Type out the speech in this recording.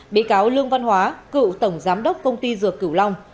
bị cáo lương văn hóa cựu tổng giám đốc công ty dược cửu long